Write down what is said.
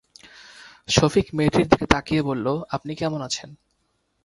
সফিক মেয়েটির দিকে তাকিয়ে বলল, আপনি কেমন আছেন?